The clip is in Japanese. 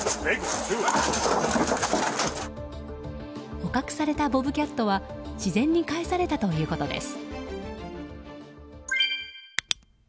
捕獲されたボブキャットは自然に返されたということです。